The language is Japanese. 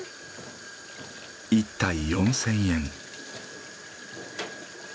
１体４，０００円。